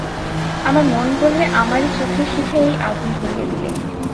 আমার মন বললে, আমারই চোখের শিখায় এই আগুন ধরিয়ে দিলে।